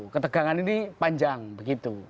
ketegangan ini panjang begitu